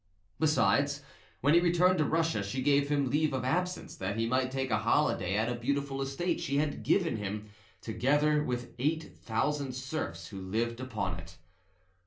Besides, when he returned to Russia, she gave him leave of absence, that he might take a holiday at a beautiful estate she had given him, together with the eight thousand serfs who lived upon it.